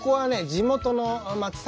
地元の松坂。